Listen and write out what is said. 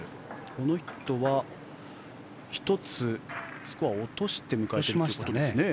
この人は１つ、スコアを落として迎えているということですね。